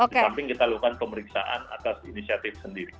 di samping kita lakukan pemeriksaan atas inisiatif sendiri